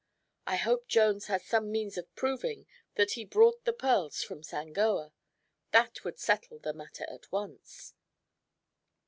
I hope Jones has some means of proving that he brought the pearls from Sangoa. That would settle the matter at once."